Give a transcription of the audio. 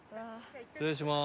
失礼します。